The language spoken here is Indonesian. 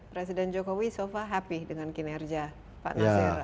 presiden jokowi so far happy dengan kinerja pak nasir